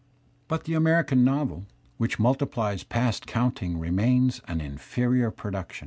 But \ the American novel, which multipUes past counting, remains an inferior production.